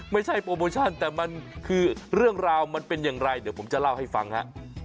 ไม่ใช่โปรโมชั่นแต่มันคือเรื่องราวมันเป็นอย่างไรเดี๋ยวผมจะเล่าให้ฟังฮะ